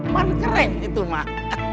kan keren itu mak